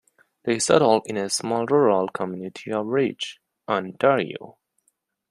They settled in the small rural community of Reach, Ontario.